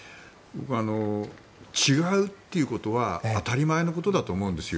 僕は違うということは当たり前のことだと思うんです。